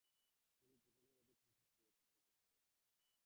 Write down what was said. তিনি জীবনের অধিকাংশ সময় অতিবাহিত করেন।